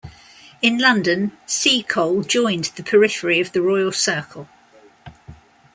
In London, Seacole joined the periphery of the royal circle.